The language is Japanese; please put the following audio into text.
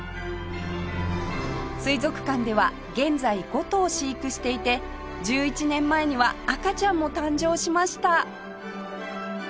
水族館では現在５頭飼育していて１１年前には赤ちゃんも誕生しました